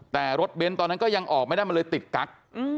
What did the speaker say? แต่รถเบนท์ตอนนั้นก็ยังออกไม่ได้มันเลยติดกั๊ก